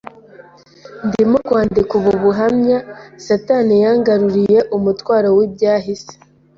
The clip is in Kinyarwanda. Ndimo kwandika ubu buhamya, Satani yangaruriye umutwaro w’ibyahise.